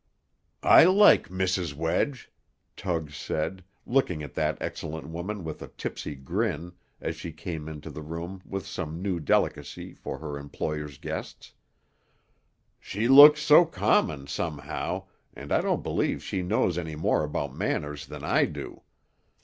"I like Mrs. Wedge," Tug said, looking at that excellent woman with a tipsy grin, as she came into the room with some new delicacy for her employer's guests. "She looks so common, somehow, and I don't believe she knows any more about manners than I do.